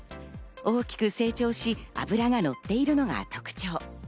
大きく成長し、脂がのっているのが特徴。